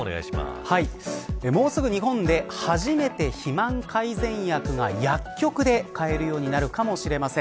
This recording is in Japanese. もうすぐ日本で初めて肥満改善薬が薬局で買えるようになるかもしれません。